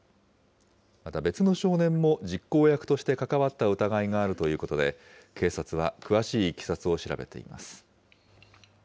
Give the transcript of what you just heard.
また別の少年も、実行役として関わった疑いがあるということで、警察は詳しいいきさつを調べています。